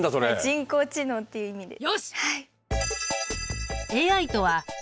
人工知能っていう意味です。